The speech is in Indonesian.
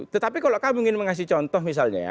tetapi kalau kamu ingin mengasih contoh misalnya ya